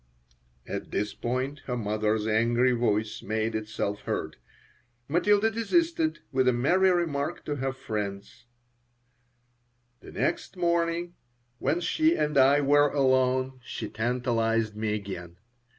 At this point her mother's angry voice made itself heard. Matilda desisted, with a merry remark to her friends The next morning when she and I were alone she tantalized me again.